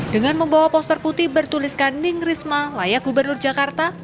dengan membawa poster putih bertuliskan ning risma layak gubernur jakarta